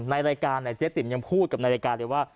ในรายการเนี่ยเจ๊ติ๋มยังพูดกับในรายการเลยว่า